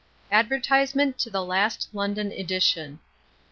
ADVERTISEMENT TO THE LAST LONDON EDITION.